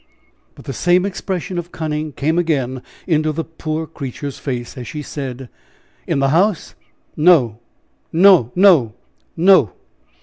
But the same expression of cunning came again into the poor creature's face, as she said: "In the house? No, no no, no!